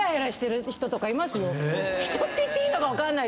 人って言っていいのか。